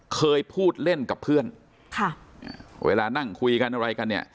เคยพูดเล่นกับเพื่อนค่ะอ่าเวลานั่งคุยกันอะไรกันเนี่ย